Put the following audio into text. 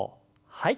はい。